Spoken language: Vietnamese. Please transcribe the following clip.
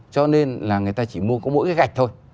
cho nên là người ta chỉ mua có mỗi cái gạch thôi